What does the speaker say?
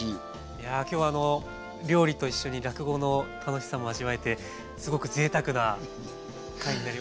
いや今日はあの料理と一緒に落語の楽しさも味わえてすごくぜいたくな回になりました。